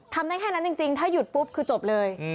ได้แค่นั้นจริงถ้าหยุดปุ๊บคือจบเลย